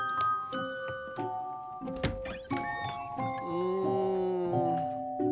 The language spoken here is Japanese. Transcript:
うん。